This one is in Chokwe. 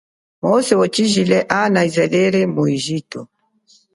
Mose wachijile ana a aizalele mu engitu.